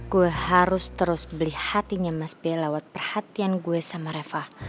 gue harus terus beli hatinya mas bea lewat perhatian gue sama reva